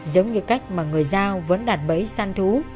giống như cách mà người giao vẫn đặt bẫy san thú